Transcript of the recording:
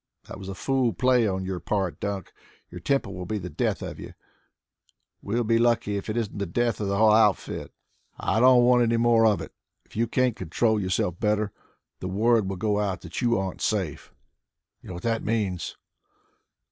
That was a fool play on your part, Dunk. Your temper will be the death of you. We'll be lucky if it isn't the death of the whole outfit. I don't want any more of it. If you can't control yourself better, the word will go out that you aren't safe. You know what that means?"